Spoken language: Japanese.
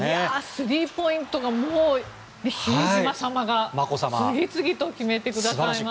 スリーポイントがもう比江島様が次々と決めてくださいました。